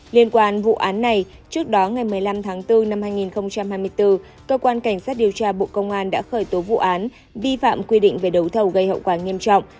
liên quan vụ án này trước đó ngày một mươi năm tháng bốn năm hai nghìn hai mươi bốn cơ quan cảnh sát điều tra bộ công an đã khởi tố vụ án vi phạm quy định về đấu thầu gây hậu quả nghiêm trọng